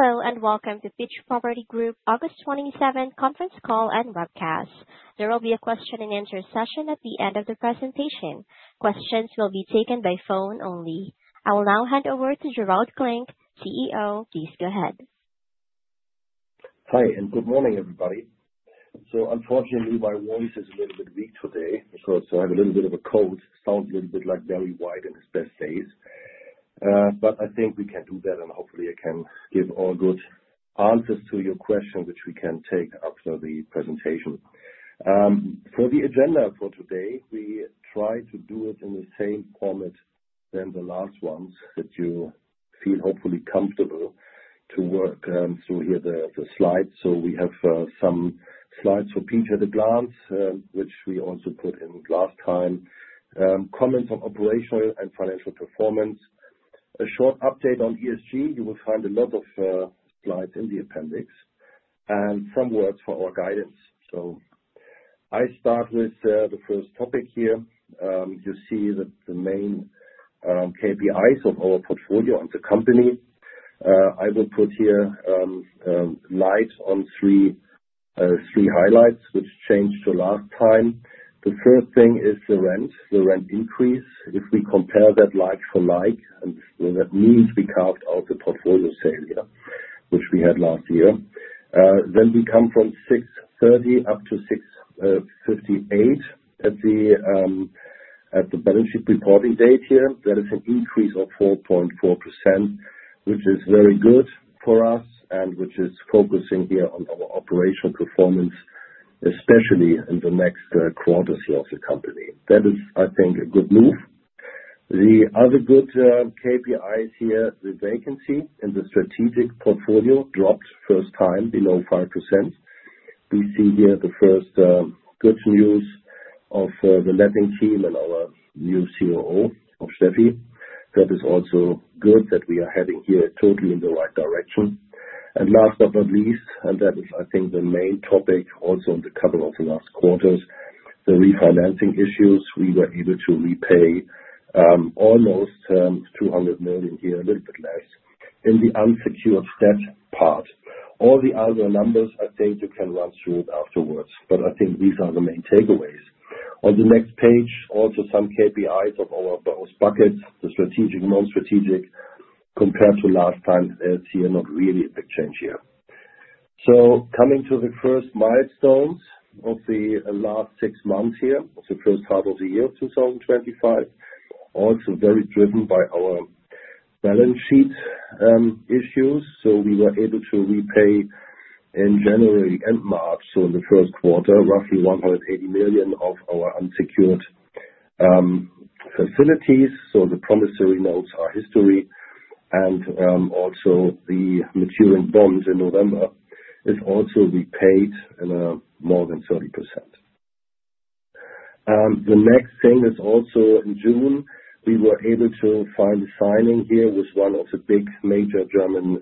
Hello and welcome to Peach Property Group's August 27th Conference Call and Webcast. There will be a question and answer session at the end of the presentation. Questions will be taken by phone only. I will now hand over to Gerald Klinck, CEO. Please go ahead. Hi, and good morning, everybody. Unfortunately, my voice is a little bit weak today, so I have a little bit of a cold. Sounds a little bit like Barry White in his best days. I think we can do better, and hopefully I can give all good answers to your questions, which we can take after the presentation. For the agenda for today, we try to do it in the same format as the last ones that you feel hopefully comfortable to work through here the slides. We have some slides for people at a glance, which we also put in last time. Comments on operational and financial performance. A short update on ESG. You will find a lot of slides in the appendix and some words for our guidance. I start with the first topic here. You see that the main KPIs of our portfolio as a company, I will put here light on three highlights which changed to last time. The first thing is the rent, the rent increase. If we compare that like-for-like, and that means we carved out the portfolio sale here, which we had last year. We come from 630 up to 658 at the balance sheet reporting date here. That is an increase of 4.4%, which is very good for us and which is focusing here on operational performance, especially in the next quarters here of the company. That is, I think, a good move. The other good KPIs here, the vacancy in the strategic portfolio dropped first time below 5%. We see here the first good news of the letting team and our new COO Steffi. That is also good that we are heading here totally in the right direction. Last but not least, and that is, I think, the main topic also on the cover of the last quarters, the refinancing issues. We were able to repay almost $200 million here, a little bit less in the unsecured set part. All the other numbers, I think you can run through it afterwards, but I think these are the main takeaways. On the next page, also some KPIs on all of those buckets, the strategic and non-strategic compared to last time. That's here, not really a big change here. Coming to the first milestones of the last six months here, the first half of the year 2025, also very driven by our balance sheet issues. We were able to repay in January and March. In the First Quarter, roughly $180 million of our unsecured facilities. The promissory notes are history and also the maturing bonds in November. It's also repaid in more than 30%. The next thing is also in June, we were able to find the signing here with one of the big major German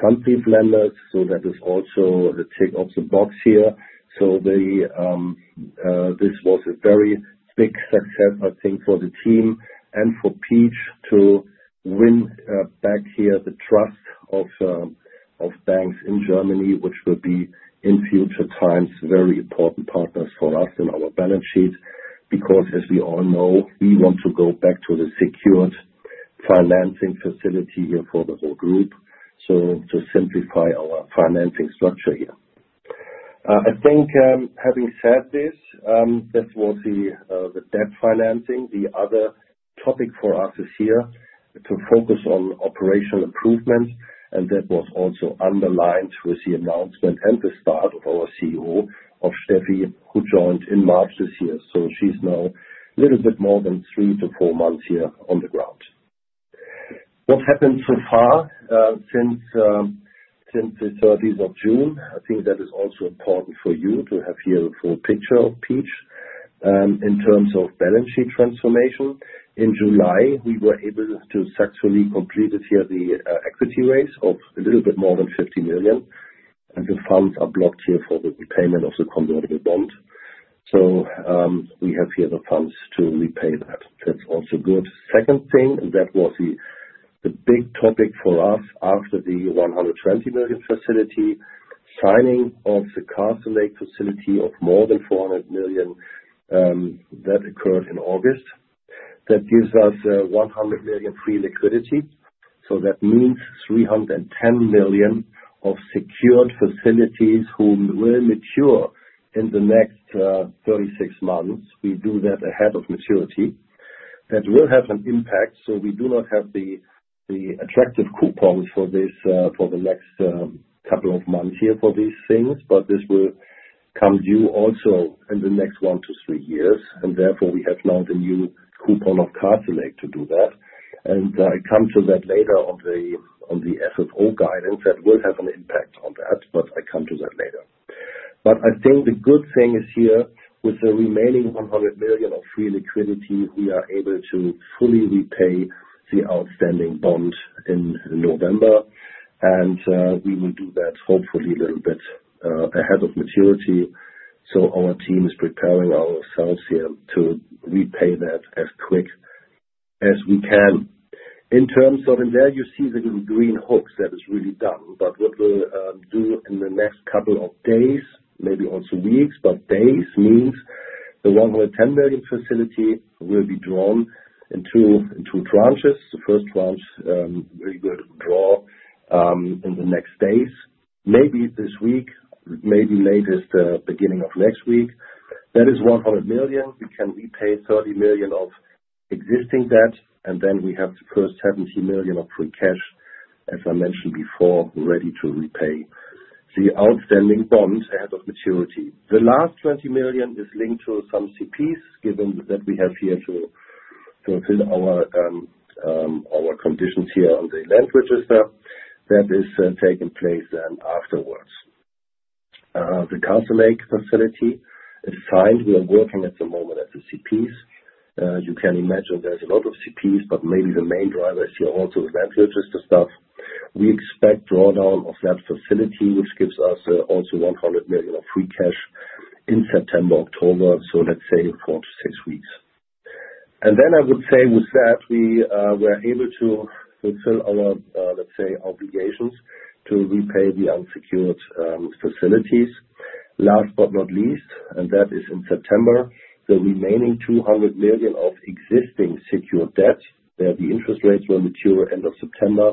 funds lenders. That is also the tick of the box here. This was a very big success, I think, for the team and for Peach to win back here the trust of banks in Germany, which will be in future times very important partners for us in our balance sheets. Because as we all know, we want to go back to the secured financing facility here for the whole group to simplify our financing structure here. I think having said this, that's what the debt financing, the other topic for us this year to focus on operational improvement. That was also underlined with the announcement and the start of our COO Koch Steffi, who joined in March this year. She's now a little bit more than three to four months here on the ground. What happened so far since the 30th of June? I think that is also important for you to have here the full picture of Peach in terms of balance sheet transformation. In July, we were able to successfully complete here the equity raise of a little bit more than €50 million, and the funds are blocked here for the repayment of the convertible bond. We have here the funds to repay that. That's also good. Second thing, and that was the big topic for us after the €120 million facility signing of the Castlelake facility of more than €400 million. That occurred in August. That gives us €100 million free liquidity. That means €310 million of secured facilities will mature in the next 36 months. We do that ahead of maturity. That will have an impact. We do not have the attractive coupons for this for the next couple of months here for these things, but this will come due also in the next one to three years. Therefore, we have now the new coupon of Castlelake to do that. I come to that later on the FFO guidance that will have an impact on that, but I come to that later. I think the good thing is here with the remaining €100 million of free liquidity, we are able to fully repay the outstanding bond in November, and we will do that hopefully a little bit ahead of maturity. Our team is preparing ourselves here to repay that as quick as we can. In terms of in there, you see the little green hooks that is really done. What we'll do in the next couple of days, maybe also weeks, but days means the €110 million facility will be drawn into two branches. The first branch will be drawn in the next days, maybe this week, maybe latest the beginning of next week. That is €100 million. We can repay €30 million of existing debt, and then we have the first €70 million of free cash, as I mentioned before, ready to repay the outstanding bonds ahead of maturity. The last €20 million is linked to some CPs given that we have here to fulfill our conditions here on the land register that is taking place afterwards. The Castlelake facility is fine. We are working at the moment at the CPs. You can imagine there's a lot of CPs, but maybe the main driver is here also the bank register. We expect drawdown of that facility, which gives us also €100 million of free cash in September, October. Let's say four to six weeks. I would say with that, we were able to fulfill our, let's say, obligations to repay the unsecured facilities. Last but not least, and that is in September, the remaining €200 million of existing secured debt. The interest rates will mature end of September.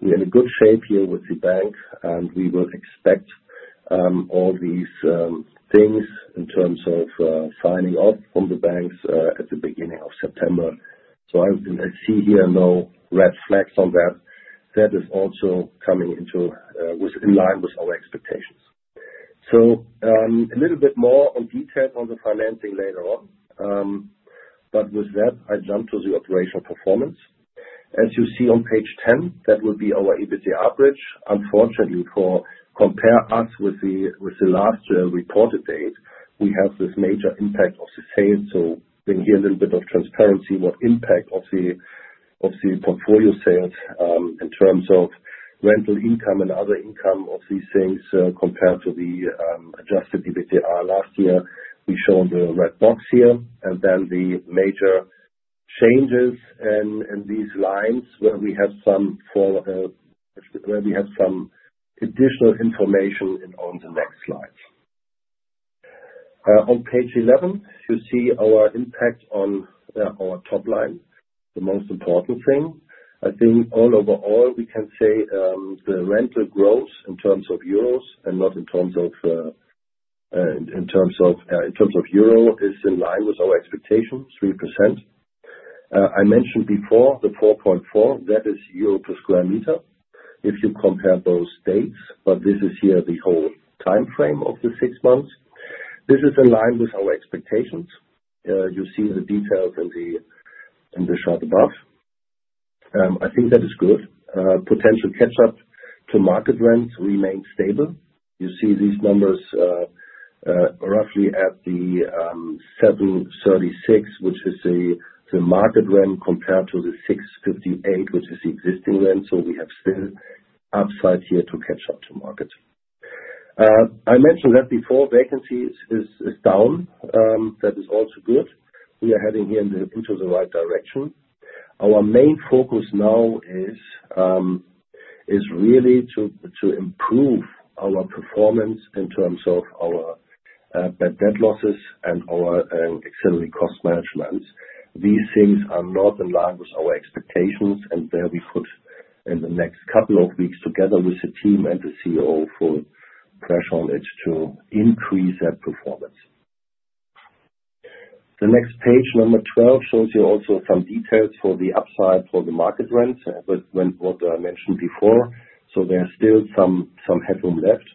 We are in a good shape here with the bank, and we will expect all these things in terms of signing up on the banks at the beginning of September. I see here no red flags on that. That is also coming into within line with our expectations. A little bit more on detail on the financing later on. With that, I jump to the operational performance. As you see on page 10, that will be our EBITDA average. Unfortunately, for compare us with the last reported date, we have this major impact of the sale. In here, a little bit of transparency, what impact of the portfolio sales in terms of rental income and other income of these things compared to the adjusted EBITDA last year, we show the red box here. The major changes in these lines where we have some additional information in the ones and runs slides. On page 11, you see our impact on our top line, the most important thing. I think overall, we can say the rental growth in terms of euros and not in terms of euro is in line with our expectation, 3%. I mentioned before the 4.4, that is euro per square meter if you compare those dates. This is here the whole timeframe of the six months. This is in line with our expectations. You see the details in the chart above. I think that is good. Potential catch-up to market rents remain stable. You see these numbers roughly at the 736, which is the market rent compared to the 658, which is the existing rent. We have still upside here to catch up to market. I mentioned that before, vacancy is down. That is also good. We are heading into the right direction. Our main focus now is really to improve our performance in terms of our debt losses and our accelerated cost management. These things are not in line with our expectations, and they'll be put in the next couple of weeks together with the team and the CEO for pressure on it to increase that performance. The next page, number 12, shows you also some details for the upside for the market rents and what I mentioned before. There is still some headroom left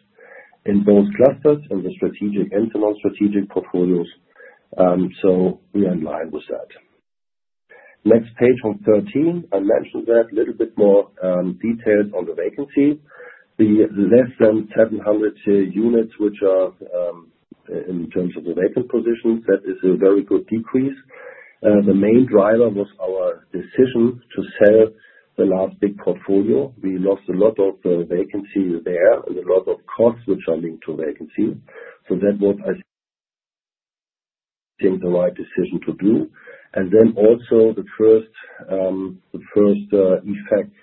in both clusters and the strategic and non-strategic portfolios. We are in line with that. Next page on 13, I mentioned that a little bit more detailed on the vacancy. The less than 700 units, which are in terms of the vacant positions, that is a very good decrease. The main driver was our decision to sell the last big portfolio. We lost a lot of the vacancy there, a lot of costs which are linked to vacancy. That was, I think, the right decision to do. Also the first effect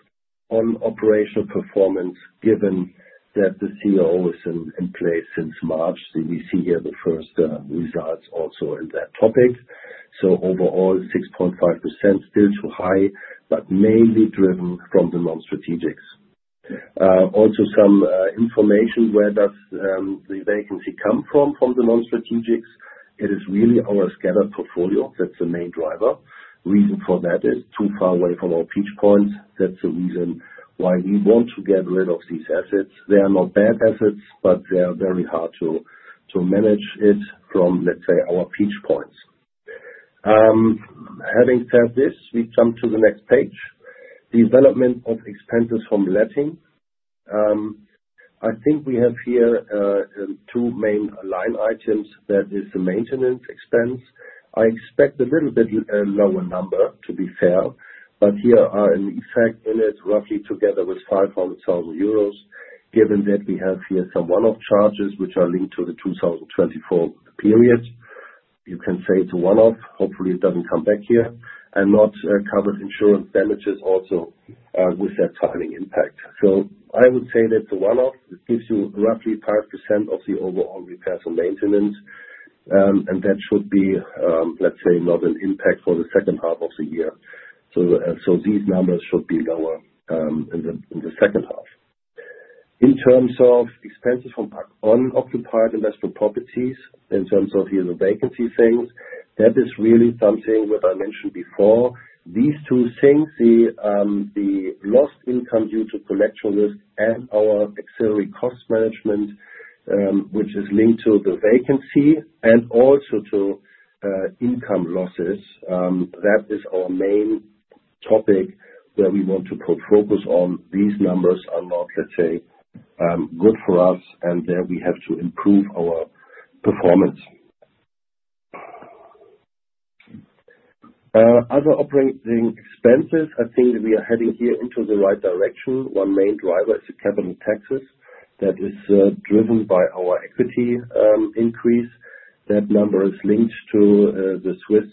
on operational performance given that the CEO is in place since March. You see here the first results also in that topic. Overall, 6.5% still too high, but mainly driven from the non-strategics. Also some information where does the vacancy come from? From the non-strategics, it is really our scattered portfolio. That's the main driver. The reason for that is too far away from our peak points. That's the reason why we want to get rid of these assets. They are not bad assets, but they are very hard to manage it from, let's say, our peak points. Having said this, we jump to the next page. Development of expenses from letting. I think we have here two main line items. That is the maintenance expense. I expect a little bit lower number to be fair, but here are in effect in it roughly together with €500,000. Given that we have here some one-off charges which are linked to the 2024 period, you can say it's a one-off. Hopefully, it doesn't come back here. Not covered insurance damages also with that timing impact. I would say that's a one-off. It gives you roughly 5% of the overall repairs and maintenance. That should be, let's say, not an impact for the second half of the year. These numbers should be lower in the second half. In terms of expenses from unoccupied investment properties, in terms of here the vacancy things, that is really something that I mentioned before. These two things, the lost income due to collection risk and our accelerated cost management, which is linked to the vacancy and also to income losses, that is our main topic where we want to put focus on. These numbers are not, let's say, good for us, and there we have to improve our performance. Other operating expenses, I think that we are heading here into the right direction. One main driver is the capital taxes. That is driven by our equity increase. That number is linked to the Swiss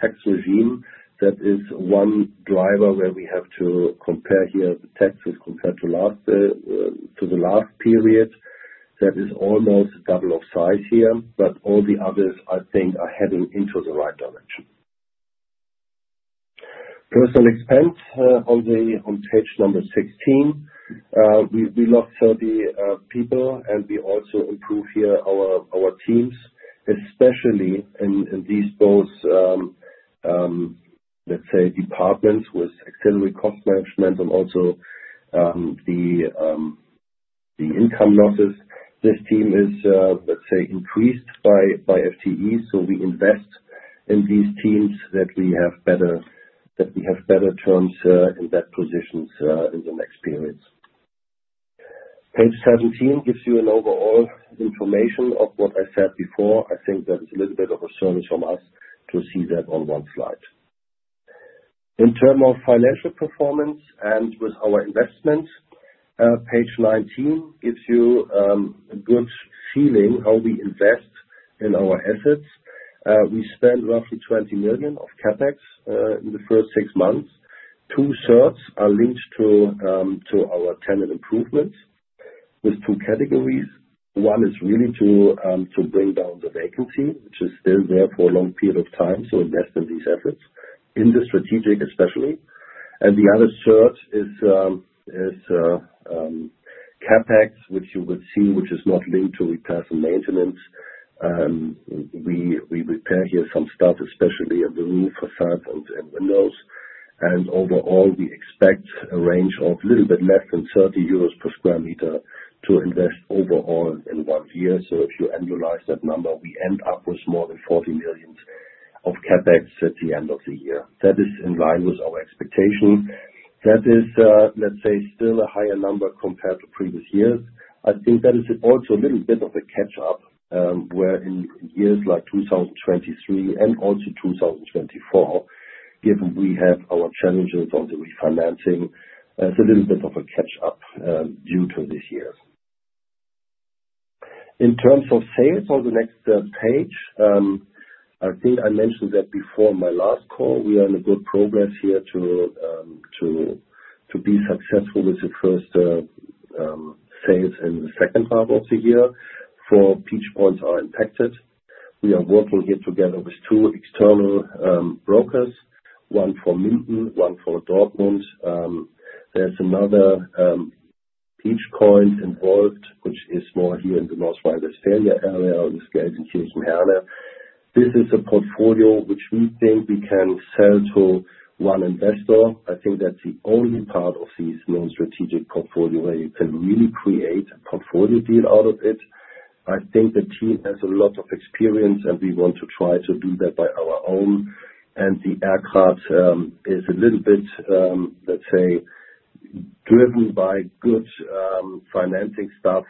tax regime. That is one driver where we have to compare here the taxes compared to the last period. That is almost a double of size here, but all the others, I think, are heading into the right direction. Personnel expense on page number 16. We look for the people, and we also improve here our teams, especially in these both, let's say, departments with accelerated cost management and also the income losses. This team is, let's say, increased by FTE. We invest in these teams that we have better terms in that positions in the next periods. Page 17 gives you an overall information of what I said before. I think that is a little bit of a service from us to see that on one slide. In terms of financial performance and with our investments, page 19 gives you a good feeling how we invest in our assets. We spend roughly €20 million of CapEx in the first six months. 2/3 are linked to our tenant improvement with two categories. One is really to bring down the vacancy, which is still there for a long period of time. We invest in these assets in the strategic, especially. The other 1/3 is CapEx, which you would see, which is not linked to repairs and maintenance. We repair here some stuff, especially a roof, facades, and windows. Overall, we expect a range of a little bit less than €30 per square meter to invest overall in one year. If you analyze that number, we end up with more than €40 million of CapEx at the end of the year. That is in line with our expectation. That is, let's say, still a higher number compared to previous years. I think that is also a little bit of a catch-up where in years like 2023 and also 2024, given we have our challenges on the refinancing, it's a little bit of a catch-up due to these years. In terms of sales on the next page, I think I mentioned that before my last call. We are in a good progress here to be successful with the first sales in the second half of the year for Peach Points are impacted. We are working here together with two external brokers, one for Minton, one for Dortmund. There's another Peach Point involved, which is more here in the North Rhine-Westphalia area in Gelsenkirchen-Herne. This is a portfolio which we think we can sell to one investor. I think that's the only part of these non-strategic portfolios where you can really create a portfolio deal out of it. I think the team has a lot of experience, and we want to try to do that by our own. The aircraft is a little bit, let's say, driven by good financing stuff.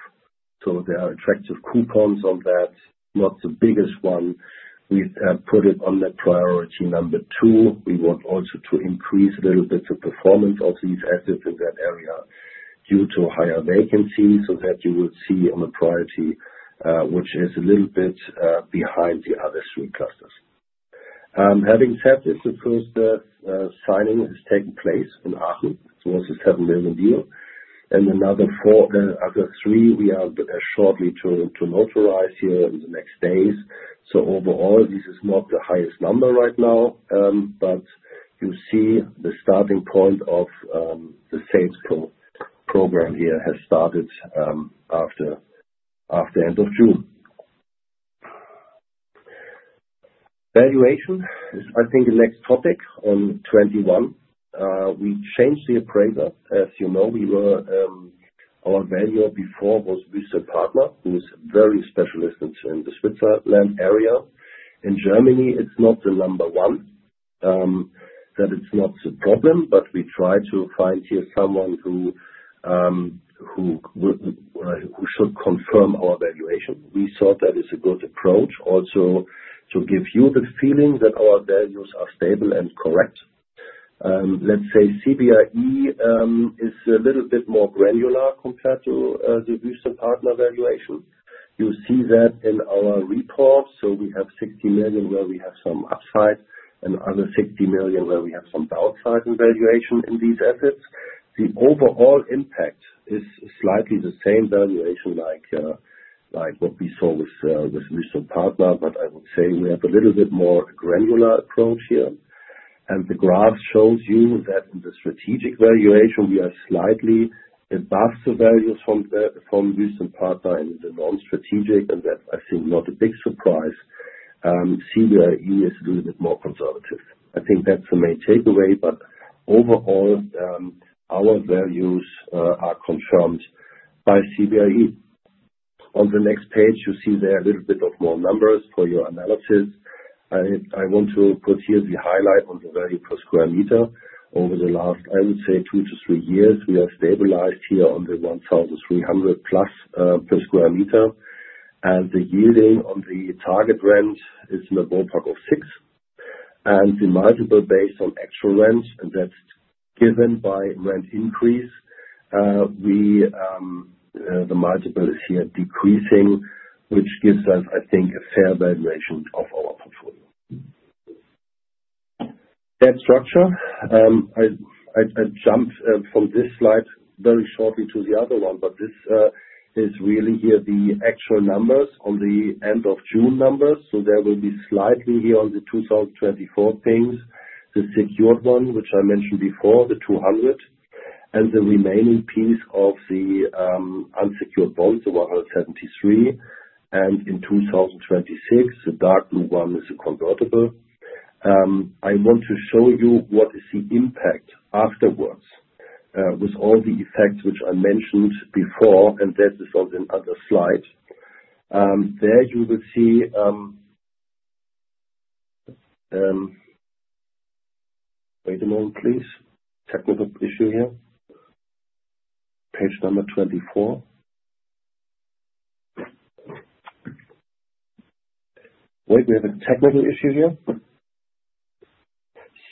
There are attractive coupons on that. Not the biggest one. We have put it on the priority number two. We want also to increase a little bit of performance of these assets in that area due to higher vacancies so that you would see on the priority, which is a little bit behind the other three clusters. Having said this, the first signing is taking place in Aachen. It's more than €7 million deals. Another four, the other three, we are shortly to notarize here in the next days. Overall, this is not the highest number right now. You see the starting point of the sales program here has started after the end of June. Valuation is, I think, the next topic on 2021. We changed the appraiser. As you know, our valuer before was Wüest Partner, who is very specialist in the Switzerland area. In Germany, it's not the number one. That is not the problem, but we try to find here someone who should confirm our valuation. We thought that is a good approach also to give you the feeling that our values are stable and correct. Let's say CBRE is a little bit more granular compared to the Wüest Partner valuation. You see that in our report. We have €60 million where we have some upside and another €60 million where we have some downside in valuation in these assets. The overall impact is slightly the same valuation like what we saw with the Wüest Partner, but I would say we have a little bit more granular approach here. The graph shows you that in the strategic valuation, we are slightly above the values from Wüest Partner in the non-strategic, and that I think not a big surprise. CBRE is a little bit more conservative. I think that's the main takeaway. Overall, our values are confirmed by CBRE. On the next page, you see there are a little bit of more numbers for your analysis. I want to put here the highlight on the value per square meter. Over the last, I would say, two to three years, we are stabilized here on the 1,300+ per square meter. The yielding on the target range is in a ballpark of six. The multiple based on actual rent, and that's given by rent increase, the multiple is here decreasing, which gives us, I think, a fair valuation of our portfolio. That structure, I jumped from this slide very shortly to the other one, but this is really here the actual numbers on the end of June numbers. There will be slightly here on the 2024 things, the secured one, which I mentioned before, the 200, and the remaining piece of the unsecured bonds, the 173. In 2026, the dark blue one is the convertible. I want to show you what is the impact afterwards with all the effects which I mentioned before, and that is on another slide. There you will see, wait a moment, please. Technical issue here. Page number 24. Wait, we have a technical issue here.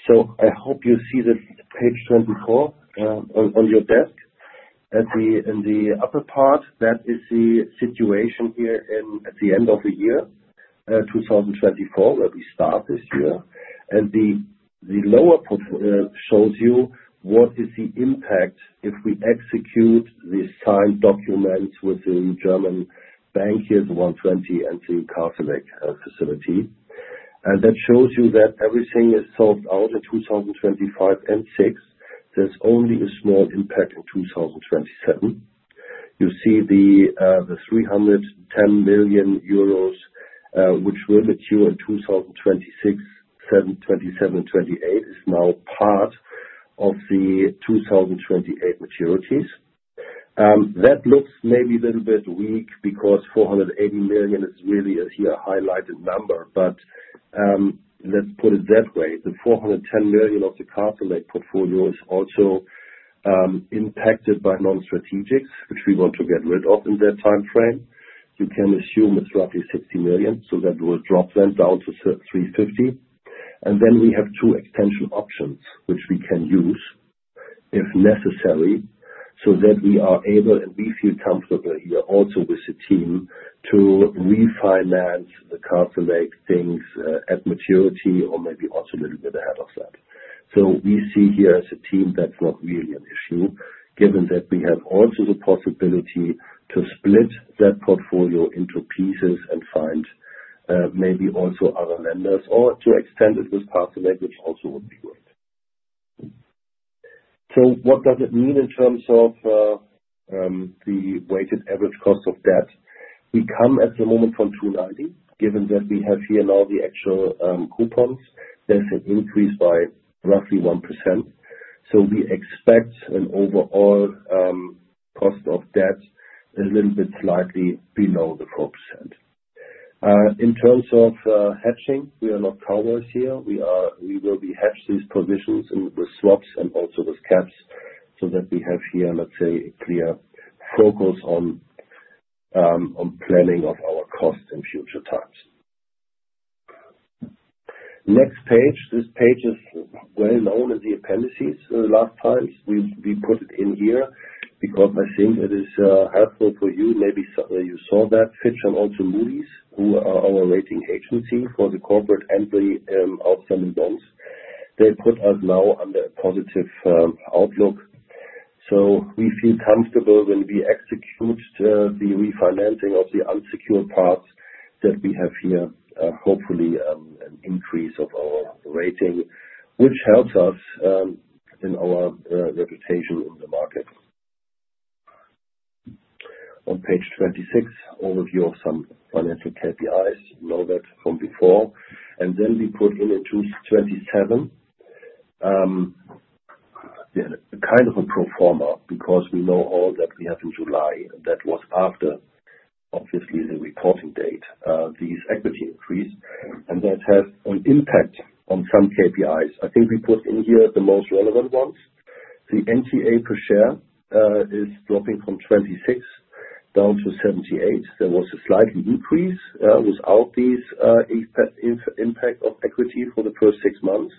I hope you see that page 24 on your desk. In the upper part, that is the situation here at the end of the year, 2024, where we start this year. The lower part shows you what is the impact if we execute the signed documents with the German bank here, the €120 million and the Castlelake facility. That shows you that everything is solved out in 2025 and 2026. There's only a small impact in 2027. You see the €310 million, which will mature in 2026, 2027, and 2028 is now part of the 2028 maturities. That looks maybe a little bit weak because €480 million is really a highlighted number. Let's put it that way. The €410 million of the Castlelake portfolio is also impacted by non-strategics, which we want to get rid of in that timeframe. You can assume it's roughly €60 million. That will drop then down to €350 million. We have two extension options, which we can use if necessary, so that we are able and we feel comfortable here also with the team to refinance the Castlelake things at maturity or maybe also a little bit ahead of that. We see here as a team that's not really an issue, given that we have also the possibility to split that portfolio into pieces and find maybe also other lenders or to extend it with Castlelake, which also would be great. What does it mean in terms of the weighted average cost of debt? We come at the moment from 2.90, given that we have here now the actual coupons. There's an increase by roughly 1%. We expect an overall cost of debt a little bit slightly below 4%. In terms of hedging, we are not cowboys here. We will be hedging these provisions with swaps and also with caps so that we have here, let's say, a clear focus on planning of our costs in future times. Next page. This page is well known as the appendices for the last times. We put it in here because I think it is helpful for you. Maybe you saw that fit on also Moody’s, who are our rating agency for the corporate and the outstanding bonds. They put us now under a positive outlook. We feel comfortable when we execute the refinancing of the unsecured parts that we have here, hopefully an increase of our rating, which helps us in our reputation in the market. On page 26, overview of some financial KPIs, low that from before. Then we put in a 27, a kind of a pro forma because we know all that we have in July. That was after, obviously, the reporting date, these equity increases. That has an impact on some KPIs. I think we put in here the most relevant ones. The NTA per share is dropping from 26 down to 78. There was a slight increase without this impact of equity for the first six months.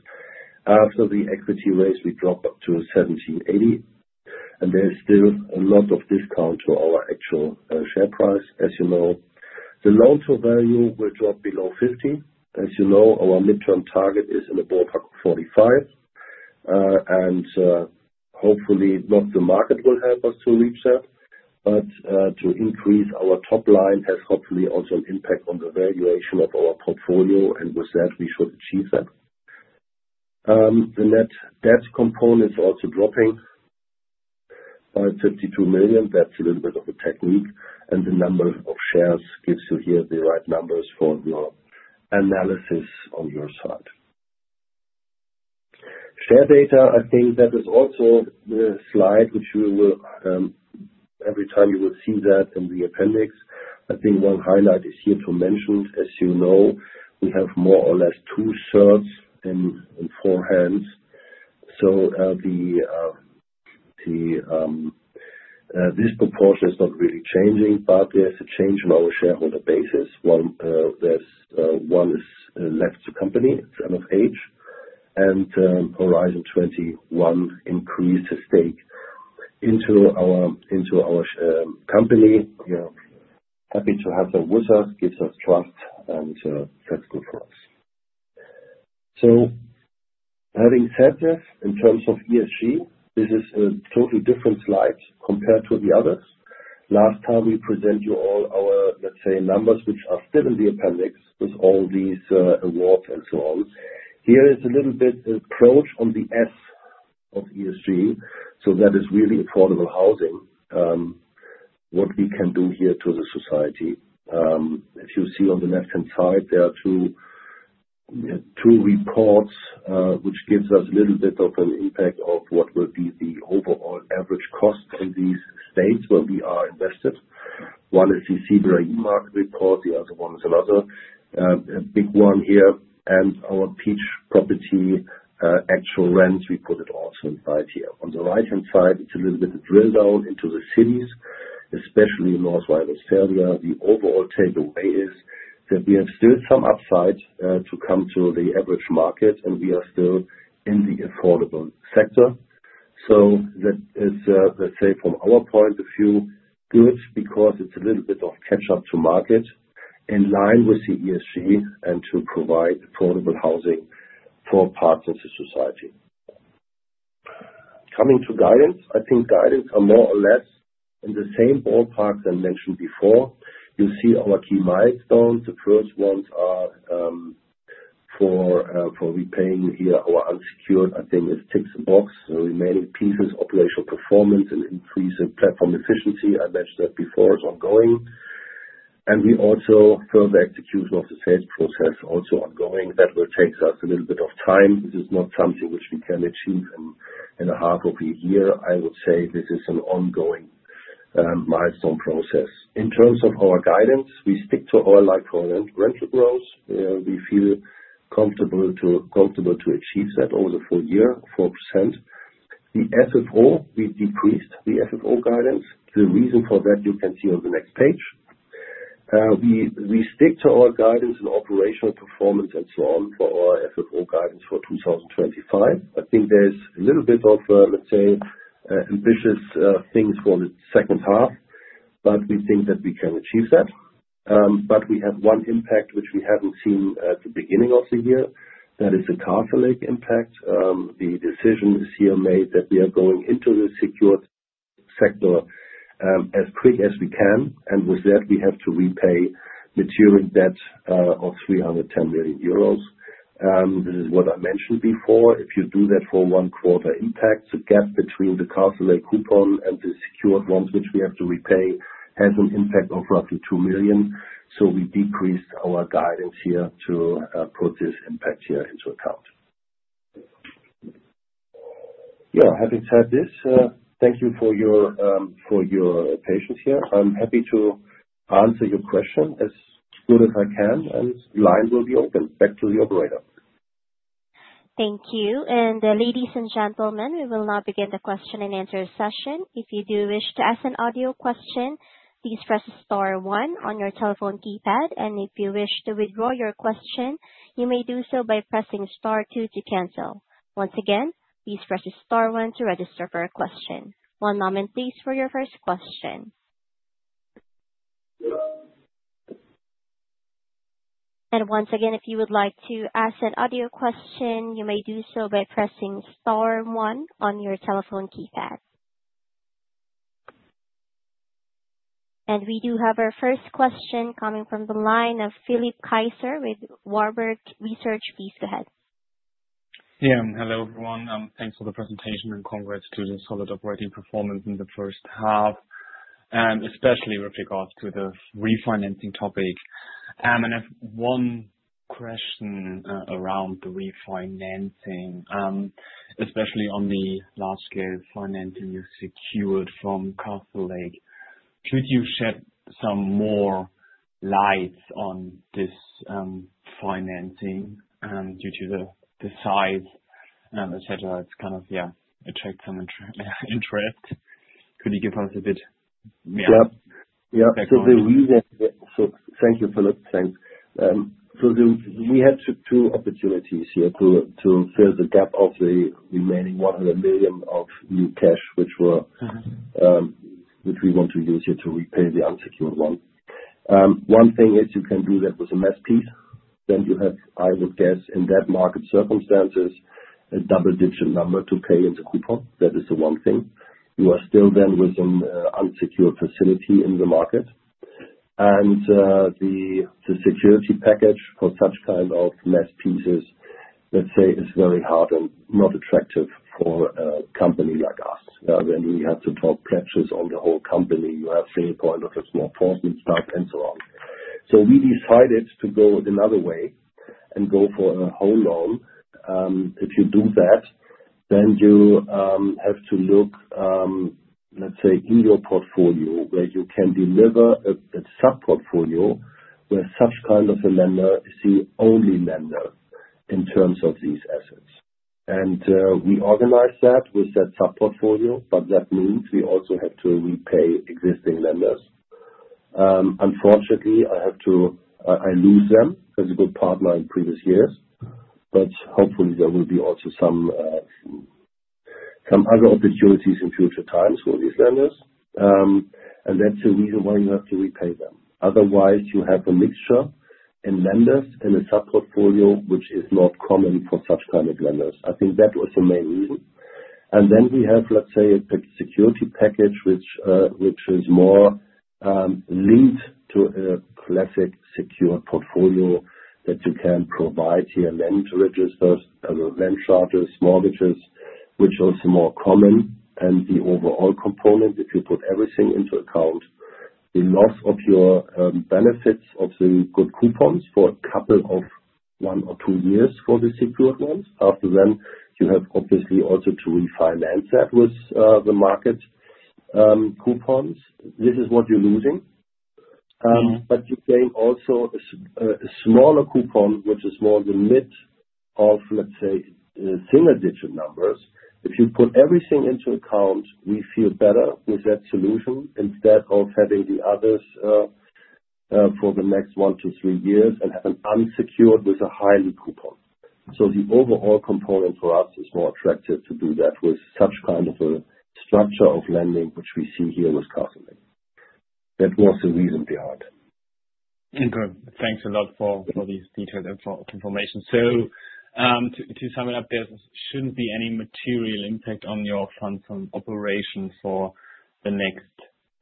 After the equity raise, we dropped up to 1,780. There’s still a lot of discount to our actual share price. As you know, the long-term value will drop below 50. As you know, our midterm target is in the ballpark of 45. Hopefully, not the market will help us to reach that, but to increase our top line has hopefully also an impact on the valuation of our portfolio. With that, we should achieve that. The net debt component is also dropping by €52 million. That’s a little bit of a technique. The number of shares gives you here the right numbers for your analysis on your side. Share data, I think that is also the slide which we will every time you will see that in the appendix. I think one highlight is here to mention. As you know, we have more or less two-thirds in four hands. This proportion is not really changing, but there’s a change in our shareholder basis. One is left to company. It’s end of age. Horizon 21 increased the stake into our company. We are happy to have them with us. It gives us trust, and that’s good for us. Having said that, in terms of ESG, this is a totally different slide compared to the others. Last time, we presented you all our, let’s say, numbers which are still in the appendix with all these awards and so on. Here is a little bit approach on the S of ESG. That is really affordable housing, what we can do here to the society. As you see on the left-hand side, there are two reports, which give us a little bit of an impact of what will be the overall average cost in these states where we are invested. One is the CBRE market report. The other one is another big one here. Our Peach Property actual rents, we put it also in the slide here. On the right-hand side, it's a little bit drilled out into the cities, especially in North Rhine-Westphalia. The overall takeaway is that we have still some upside to come to the average market, and we are still in the affordable sector. That is, let's say, from our point of view, good because it's a little bit of catch-up to market in line with the ESG and to provide affordable housing for parts of the society. Coming to guidance, I think guidance are more or less in the same ballpark than mentioned before. You see our key milestones. The first ones are for repaying here our unsecured, I think, is textbox. The remaining pieces, operational performance and increase in platform efficiency, I mentioned that before, is ongoing. We also further execute what the status post, that's also ongoing. That will take us a little bit of time. This is not something which we can achieve in a half of a year. I would say this is an ongoing milestone process. In terms of our guidance, we stick to our like-for-like rental growth. We feel comfortable to achieve that over the full year, 4%. The FFO, we decreased the FFO guidance. The reason for that, you can see on the next page. We stick to our guidance and operational performance and so on for our FFO guidance for 2025. I think there's a little bit of, let's say, ambitious things for the second half, but we think that we can achieve that. We have one impact which we haven't seen at the beginning of the year. That is the Castlelake impact. The decision is here made that we are going into the secured sector as quick as we can. With that, we have to repay maturing debt of €310 million. This is what I mentioned before. If you do that for one quarter, impacts the gap between the Castlelake coupon and the secured ones which we have to repay has an impact of roughly €2 million. We decreased our guidance here to put this impact here into account. Having said this, thank you for your patience here. I'm happy to answer your question as good as I can, and the line will be open back to the Operator. Thank you. Ladies and gentlemen, we will now begin the question and answer session. If you do wish to ask an audio question, please press star one on your telephone keypad. If you wish to withdraw your question, you may do so by pressing star two to cancel. Once again, please press star one to register for a question. One moment, please, for your first question. Once again, if you would like to ask an audio question, you may do so by pressing star one on your telephone keypad. We do have our first question coming from the line of Philip Kaiser with Warburg Research. Please go ahead. Hello, everyone. Thanks for the presentation and congrats to the solid operating performance in the first half, especially with regards to the refinancing topic. I have one question around the refinancing, especially on the large-scale financing you've secured from Castlelake. Could you shed some more light on this financing due to the size, et cetera? It attracts some interest. Could you give us a bit? Thank you for that sense. We had two opportunities here to fill the gap of the remaining €100 million of new cash, which we want to use here to repay the unsecured one. One thing is you can do that with an SP, then you have, I would guess, in that market circumstances, a double-digit number to pay in the coupon. That is the one thing. You are still then with an unsecured facility in the market. The security package for such kind of mezz pieces, let's say, is very hard and not attractive for a company like us. Then we have to draw pledges on the whole company. You have to pay for a small fortune stock and so on. We decided to go another way and go for a home loan. If you do that, then you have to look, let's say, in your portfolio where you can deliver a subportfolio where such kind of a lender is the only lender in terms of these assets. We organized that with that subportfolio, but that means we also have to repay existing lenders. Unfortunately, I have to lose them as a good partner in previous years, but hopefully, there will be also some other opportunities in future times for these lenders. That's the reason why you have to repay them. Otherwise, you have a mixture in lenders and a subportfolio, which is not common for such kind of lenders. I think that was the main reason. We have, let's say, a security package, which is more linked to a classic secured portfolio that you can provide to your lend registers, other lend charters, mortgages, which are also more common. The overall component, if you put everything into account, the loss of your benefits of the good coupons for a couple of one or two years for the secured ones. After then, you have obviously also to refinance that with the market coupons. This is what you're losing. You gain also a smaller coupon, which is more the mid of, let's say, single-digit numbers. If you put everything into account, we feel better with that solution instead of having the others for the next one to three years and have an unsecured with a highly coupon. The overall component for us is more attractive to do that with such kind of a structure of lending, which we see here with Castlelake. That was the reason behind it. Okay. Thanks a lot for this detailed information. To sum it up, there shouldn't be any material impact on your funds from operations for the next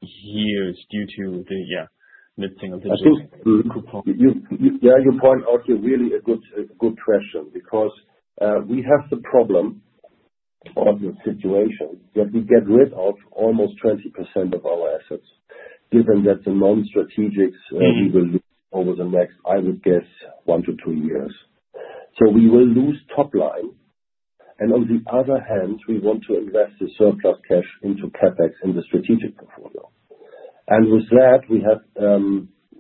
years due to the, yeah, that single-digit. I think you point out here really a good question because we have the problem of your situation that we get rid of almost 20% of our assets, given that the non-strategics we will lose over the next, I would guess, one to two years. We will lose top line. On the other hand, we want to invest the surplus cash into CapEx in the strategic portfolio. With that, we have,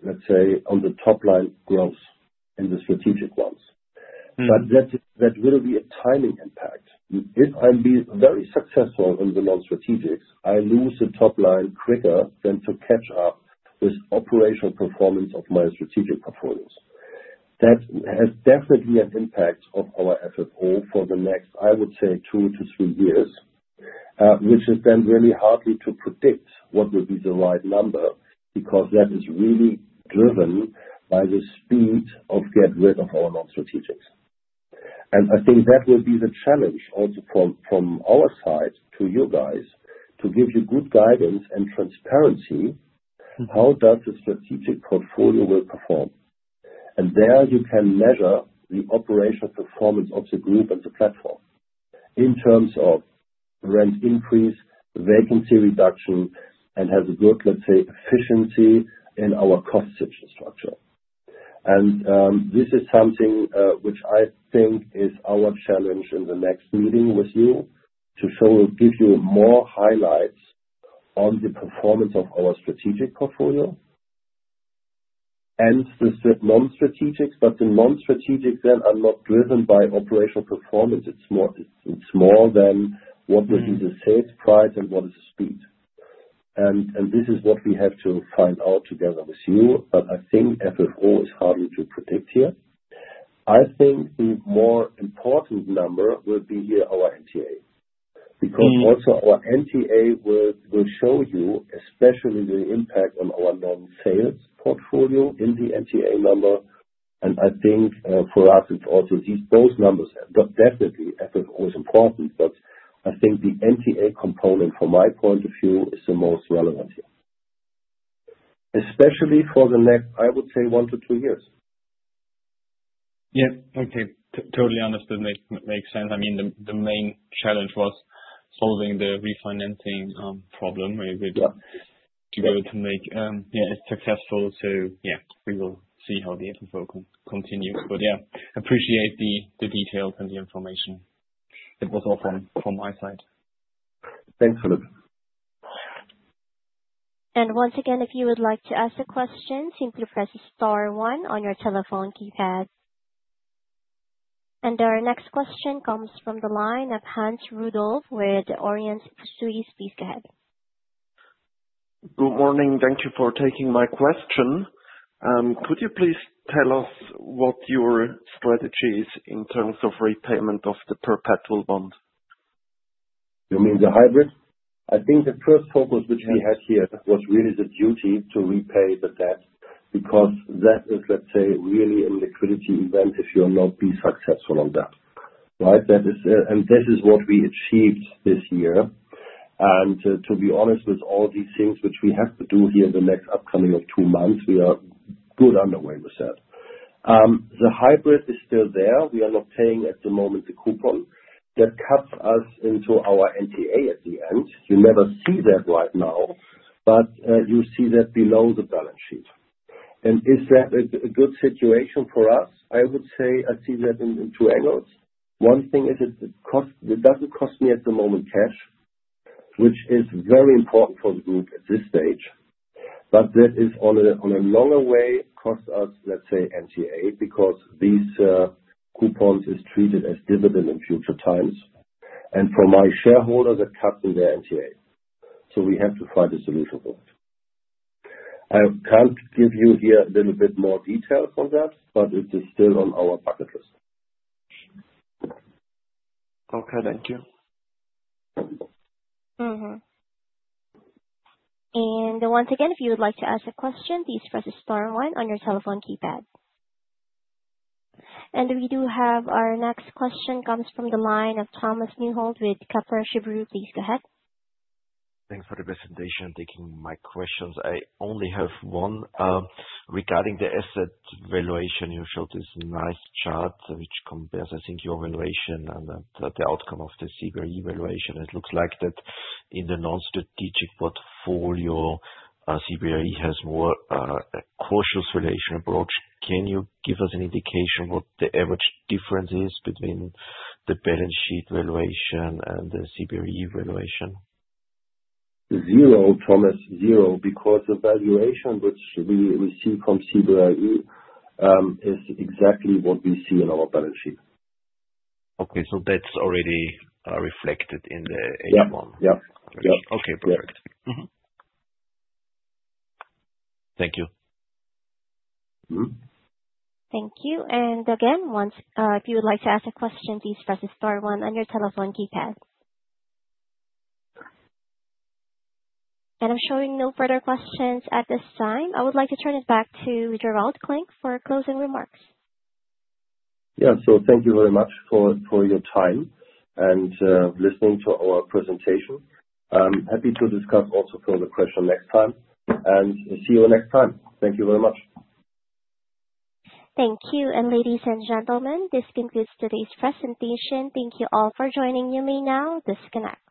let's say, on the top line growth in the strategic ones. That will be a timing impact. If I'm being very successful in the non-strategics, I lose the top line quicker than to catch up with operational performance of my strategic portfolios. That has definitely an impact on our FFO for the next, I would say, two to three years, which has been really hard to predict what will be the right number because that is really driven by the speed of getting rid of our non-strategics. I think that will be the challenge also from our side to you guys to give the good guidance and transparency. How does the strategic portfolio perform? There you can measure the operational performance of the group and the platform in terms of rent increase, vacancy reduction, and has a good, let's say, efficiency in our cost infrastructure. This is something which I think is our challenge in the next meeting with you to show, give you more highlights on the performance of our strategic portfolio and the non-strategics. The non-strategics then are not driven by operational performance. It's more than what will be the sales price and what is the speed. This is what we have to find out together with you. I think FFO is harder to predict here. I think the more important number will be here our NTA. Because also our NTA will show you, especially the impact on our non-sales portfolio in the NTA number. I think for us, it's also these both numbers. Definitely, FFO is important. I think the NTA component, from my point of view, is the most relevant here, especially for the next, I would say, one to two years. Yeah, okay. Totally understood. Makes sense. I mean, the main challenge was solving the refinancing problem. We're going to make it successful. Yeah, we will see how the FFO continues. I appreciate the details and the information. It was all from my side. Thanks, Philip. If you would like to ask a question, simply press star one on your telephone keypad. Our next question comes from the line of Hans Rudolf with Orient Pursuis. Please go ahead. Good morning. Thank you for taking my question. Could you please tell us what your strategy is in terms of repayment of the perpetual bond? You mean the hybrid? I think the first focus which we had here was really the duty to repay the debt because that is, let's say, really a liquidity event if you are not being successful on that. That is what we achieved this year. To be honest, with all these things which we have to do here in the next upcoming two months, we are good underway with that. The hybrid is still there. We are not paying at the moment the coupon. That cuts us into our NTA at the end. You never see that right now, but you see that below the balance sheet. Is that a good situation for us? I would say I see that in two angles. One thing is that it doesn't cost me at the moment cash, which is very important for the group at this stage. That is, on a longer way, costs us, let's say, NTA because these coupons are treated as dividends in future times. For my shareholders, it cuts in their NTA. We have to find a solution for it. I can't give you here a little bit more detail from that, but it is still on our bucket list. Okay, thank you. If you would like to ask a question, please press the star one on your telephone keypad. We have our next question from the line of Thomas Newhold with Kepler Cheuvreux. Please go ahead. Thanks for the presentation and taking my questions. I only have one. Regarding the asset valuation, you showed this nice chart which compares, I think, your valuation and the outcome of the CBRE valuation. It looks like that in the non-strategic portfolio, CBRE has more a cautious valuation approach. Can you give us an indication of what the average difference is between the balance sheet valuation and the CBRE valuation? Zero, Thomas, zero, because the valuation which we receive from CBRE is exactly what we see in our balance sheet. Okay, that's already reflected in the AM1? Yeah. Yeah. Okay. Perfect. Thank you. Thank you. Once if you would like to ask a question, please press the star one on your telephone keypad. I'm showing no further questions at this time. I would like to turn it back to Gerald Klinck for closing remarks. Thank you very much for your time and listening to our presentation. I'm happy to discuss also further questions next time. See you next time. Thank you very much. Thank you. Ladies and gentlemen, this concludes today's presentation. Thank you all for joining. You may now disconnect.